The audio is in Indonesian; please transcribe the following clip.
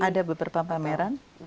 ada beberapa pameran